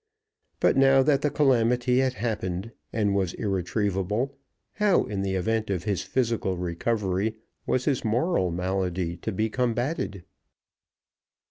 But, now that the calamity had happened and was irretrievable, how, in the event of his physical recovery, was his moral malady to be combated?